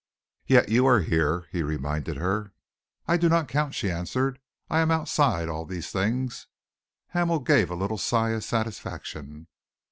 "Yet you are here," he reminded her. "I do not count," she answered. "I am outside all these things." Hamel gave a little sigh of satisfaction.